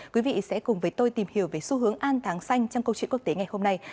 quý vị sẽ cùng với tôi tìm hiểu về xu hướng an tháng xanh trong câu chuyện quốc tế ngày hôm nay